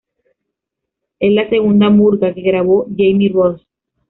Es la segunda murga que grabó Jaime Ross.